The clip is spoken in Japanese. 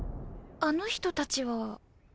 あの人たちは。